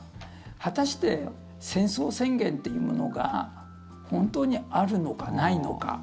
果たして戦争宣言というものが本当にあるのかないのか。